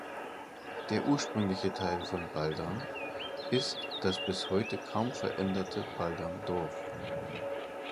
Der ursprüngliche Teil von Baldham ist das bis heute kaum veränderte „Baldham Dorf“.